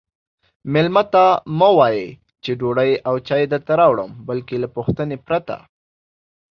میلمه ته مه وایئ چې ډوډۍ او چای درته راوړم بلکې له پوښتنې پرته